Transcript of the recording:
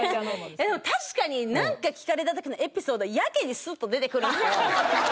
でも確かになんか聞かれた時のエピソードはやけにスッと出てくるな。